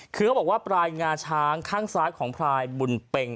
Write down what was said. คือเขาบอกว่าปลายงาช้างข้างซ้ายของพลายบุญเป็ง